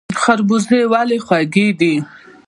خربوزه ولې خوږه ده؟